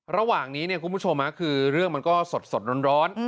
ระหว่างนี้เนี่ยคุณผู้ชมคือเรื่องมันก็สดร้อน